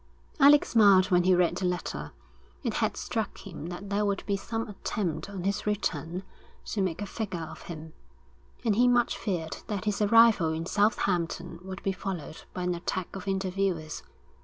_ Alec smiled when he read the letter. It had struck him that there would be some attempt on his return to make a figure of him, and he much feared that his arrival in Southampton would be followed by an attack of interviewers.